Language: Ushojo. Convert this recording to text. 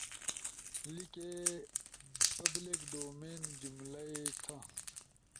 لیکے، بلک ڈومین جملہ ئی تھا